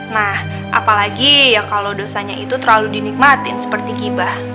nah apalagi ya kalau dosanya itu terlalu dinikmatin seperti gibah